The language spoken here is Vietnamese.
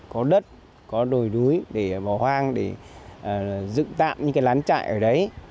có đất có đồi núi để bỏ hoang để dựng tạm những cái lán trại ở đấy